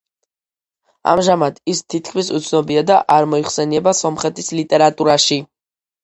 ამჟამად ის თითქმის უცნობია და არ მოიხსენიება სომხეთის ლიტერატურაში.